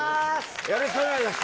よろしくお願いします。